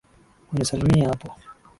Unisalimie hapo